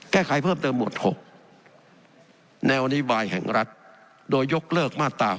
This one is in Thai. แก้ไขเพิ่มเติมหมวด๖แนวนโยบายแห่งรัฐโดยยกเลิกมาตรา